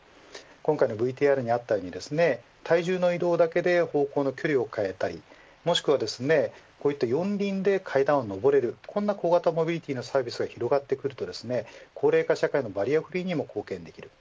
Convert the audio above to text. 今回のＶＴＲにあったように体重の移動だけで方向の距離を変えたりもしくはこういった四輪で階段を上れるこんな小型モビリティのサービスが広がってくると高齢化社会のバリアフリーにも貢献できる。